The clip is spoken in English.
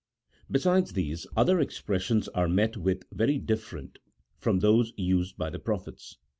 Besides these, other expressions are met with very different from those used by the prophets.